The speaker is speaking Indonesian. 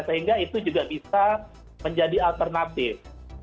sehingga itu juga bisa menjadi alternatif